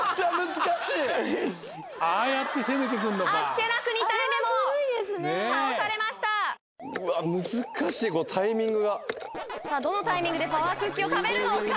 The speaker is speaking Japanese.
難しいこのタイミングがさあどのタイミングでパワークッキーを食べるのか？